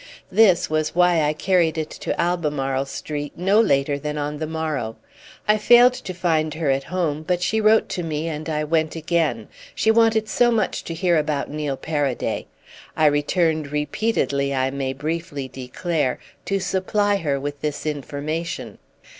This was why I carried it to Albemarle Street no later than on the morrow. I failed to find her at home, but she wrote to me and I went again; she wanted so much to hear more about Neil Paraday. I returned repeatedly, I may briefly declare, to supply her with this information.